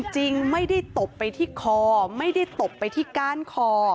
จริงไม่ได้ตบไปที่คอไม่ได้ตบไปที่ก้านคอ